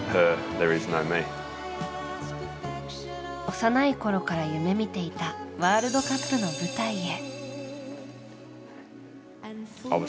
幼いころから夢見ていたワールドカップの舞台へ。